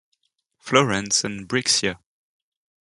Florence and Brixia.